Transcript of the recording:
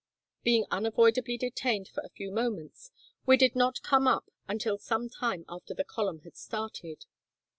Being unavoidably detained for a few moments, we did not come up until some time after the column had started.